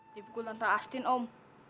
dibukul tentang astin om